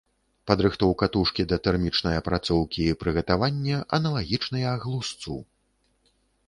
Падрыхтоўка тушкі да тэрмічнай апрацоўкі і прыгатаванне аналагічныя глушцу.